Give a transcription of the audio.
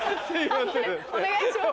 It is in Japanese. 判定お願いします。